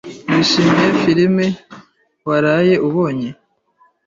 Wishimiye firime waraye ubonye?